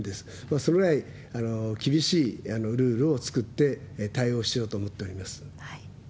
それぐらい厳しいルールを作って対応しようと思っております。